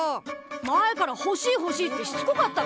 前から「ほしいほしい」ってしつこかったろ。